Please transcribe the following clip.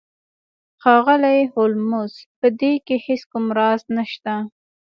ښاغلی هولمز په دې کې هیڅ کوم راز نشته